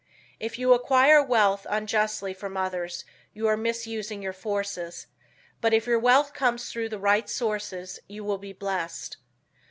If you acquire wealth unjustly from others, you are misusing your forces; but if your wealth comes through the right sources you will be blessed.